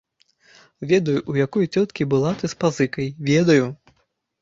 Ведаю, у якой цёткі была ты з пазыкай, ведаю!